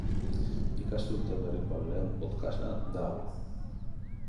Ikasturte berriko lehen podcasta da hau!